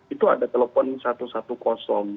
itu ada telepon satu ratus sepuluh